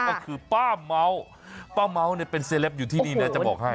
ก็คือป้าเม้าป้าเม้าเนี่ยเป็นเซลปอยู่ที่นี่นะจะบอกให้